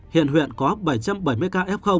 hiện huyện có bảy trăm bảy mươi ca f